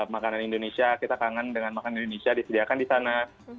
makanan indonesia kita kangen dengan makanan indonesia disediakan di sana